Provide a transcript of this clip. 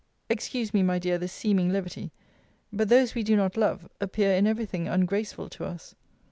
Excuse me, my dear, this seeming levity; but those we do not love, appear in every thing ungraceful to us.